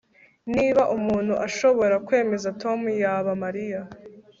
Niba umuntu ashobora kwemeza Tom yaba Mariya